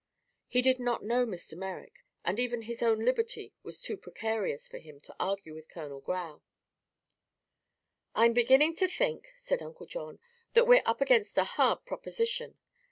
He did not know Mr. Merrick and his own liberty was too precarious for him to argue with Colonel Grau. "I'm beginning to think," said Uncle John, "that we're up against a hard proposition.